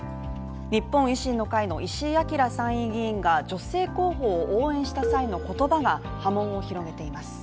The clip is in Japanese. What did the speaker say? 日本維新の会の石井章参院議員が女性候補を応援した際の言葉が波紋を広げています